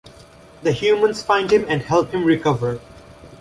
The humans find him and help him recover.